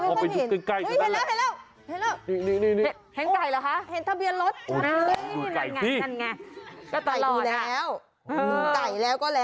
ออกไปที่ใกล้